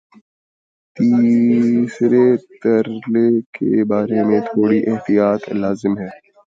تیسرے ترلے کے بارے میں تھوڑی احتیاط لازم ہے۔